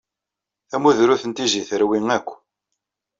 Tamudrut n Tiziri terwi akk.